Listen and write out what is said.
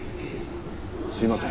すみません